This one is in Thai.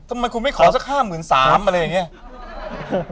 ทำไมคุณไม่ขอสักห้าหมื่นสามอะไรอย่างนี้